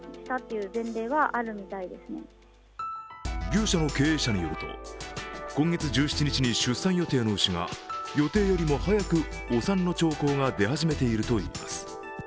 牛舎の経営者によると、今月１７日に出産予定の牛が予定よりも早くお産の兆候が出始めているといいます。